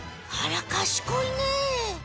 あらかしこいね。